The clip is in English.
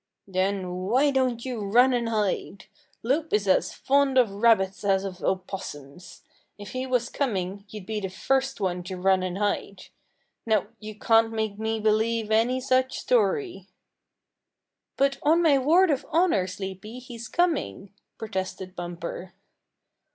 "Then why don't you run and hide? Loup is as fond of rabbits as of opossums. If he was coming you'd be the first one to run and hide. No, you can't make me believe any such story." "But on my word of honor, Sleepy, he's coming," protested Bumper.